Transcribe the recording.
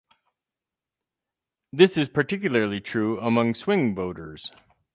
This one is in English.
This is particularly true among swing voters.